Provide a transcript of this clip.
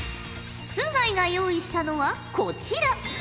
須貝が用意したのはこちら。